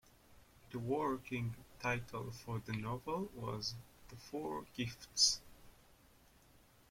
The working title for the novel was "The Four Gifts".